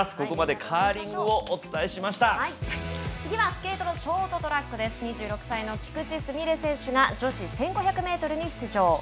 ここまで次はスケートのショートトラックです２６歳の菊池純礼選手が女子１５００ｍに出場。